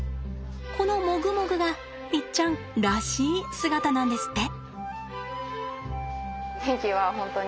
このモグモグがいっちゃんらしい姿なんですって。